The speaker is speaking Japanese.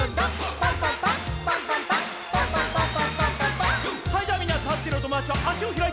はいじゃあみんなたってるおともだちはあしをひらいて。